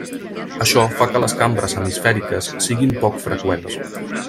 Això fa que les cambres hemisfèriques siguin poc freqüents.